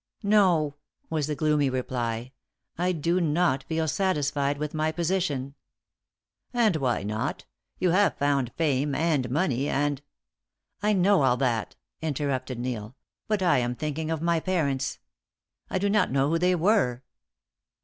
"No," was the gloomy reply. "I do not feel satisfied with my position." "And why not? You have found fame and money, and " "I know all that," interrupted Neil, "but I am thinking of my parents. I do not know who they were."